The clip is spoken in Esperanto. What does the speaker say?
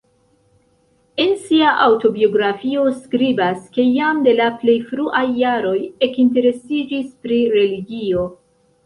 En sia aŭtobiografio skribas, ke jam de la plej fruaj jaroj ekinteresiĝis pri religio.